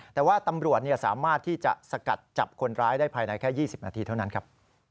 แต่ว่าตำรวจสามารถที่จะสกัดจับคนร้ายได้ภายในแค่๒๐นาทีเท่านั้นครับ